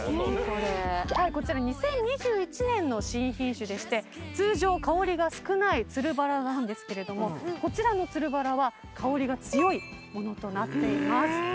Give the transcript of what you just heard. こちら２０２１年の新品種でして通常香りが少ないつるバラなんですけれどもこちらのつるバラは香りが強いものとなっています。